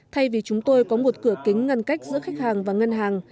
thay vì chúng tôi có một cửa kính ngăn cách giữa khách hàng và ngân hàng